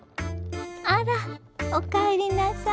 あらお帰りなさい。